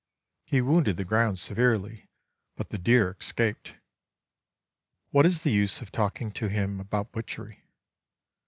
He wounded the ground severely, but the deer escaped. What is the use of talking to him about butchery?